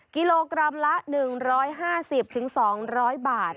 กิโลกรัมละ๑๕๐๒๐๐บาท